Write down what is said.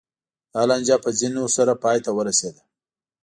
دا لانجه په ځپنې سره پای ته ورسېده.